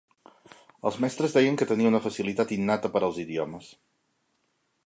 Els mestres deien que tenia una facilitat innata per als idiomes.